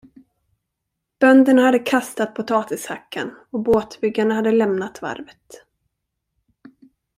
Bönderna hade kastat potatishackan och båtbyggarna hade lämnat varvet.